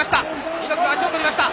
猪木の足を取りました。